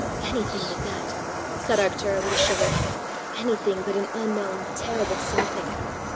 "Anything but that!" said Arctura with a shiver; " anything but an unknown terrible something!"